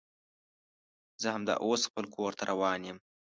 زه همدا اوس خپل کور ته روان یم